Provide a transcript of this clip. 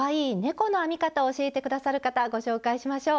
この編み方を教えて下さる方ご紹介しましょう。